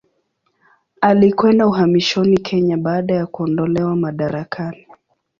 Alikwenda uhamishoni Kenya baada ya kuondolewa madarakani.